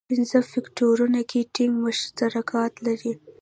پنځو فکټورونو کې ټینګ مشترکات لري.